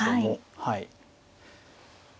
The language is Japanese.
はい。